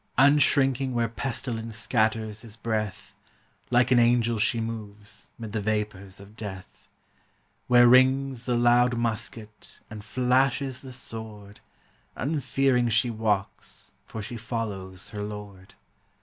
Unshrinking where pestilence scatters his breath, Like an angel she moves, mid the vapors of death; Where rings the loud musket, and flashes the sword, Unfearing she walks, for she follows her Lord.